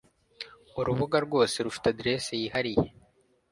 Urubuga rwose rufite adresse yihariye.